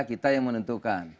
kita yang menentukan